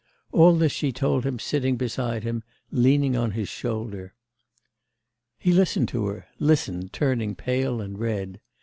All this she told him sitting beside him, leaning on his shoulder.... He listened to her, listened, turning pale and red.